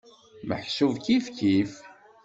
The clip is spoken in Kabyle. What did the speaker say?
Meḥsub kifkif.